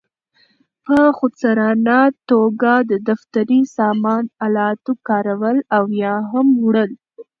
په خودسرانه توګه د دفتري سامان آلاتو کارول او یا هم وړل.